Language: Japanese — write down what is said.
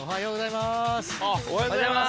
おはようございます。